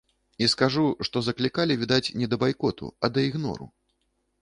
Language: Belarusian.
І скажу, што заклікалі, відаць, не да байкоту, а да ігнору.